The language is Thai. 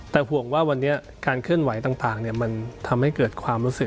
แต่ห่วงว่าวันนี้การเคลื่อนไหวต่างมันทำให้เกิดความรู้สึก